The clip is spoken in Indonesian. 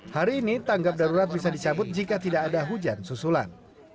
hari ini tanggap darurat bisa dicabut jika tidak ada hujan susulan